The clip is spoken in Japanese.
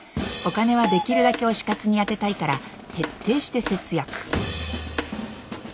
お金はできるだけ推し活に充てたいから徹底して節約。